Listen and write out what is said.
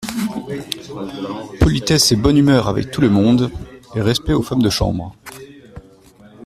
Politesse et bonne humeur avec tout le monde, et respect aux femmes de chambre…